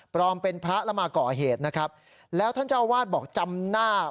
เป็นพระแล้วมาก่อเหตุนะครับแล้วท่านเจ้าวาดบอกจำหน้า